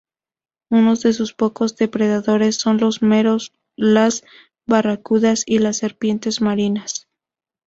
Unos de sus pocos depredadores son los meros, las barracudas y las serpientes marinas.